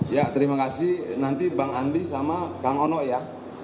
ya terima kasih nanti bang andi sama kang ono ya